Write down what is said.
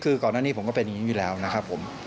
คือก่อนหน้านี้ผมก็เป็นอย่างนี้อยู่แล้วนะครับผม